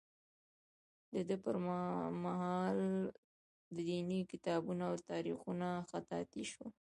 د ده پر مهال دیني کتابونه او تاریخونه خطاطي شول.